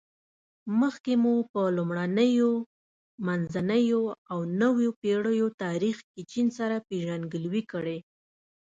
مخکې مو په لومړنیو، منځنیو او نویو پېړیو تاریخ کې چین سره پېژندګلوي کړې.